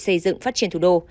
xây dựng phát triển thủ đô